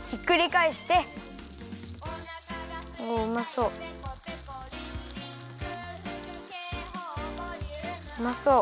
うまそう。